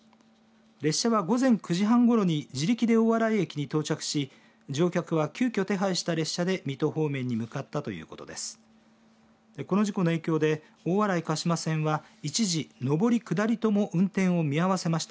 列車は午前９時半ごろに自力で大洗駅に到着し乗客は、急きょ手配した列車で水戸方面に向かったということです。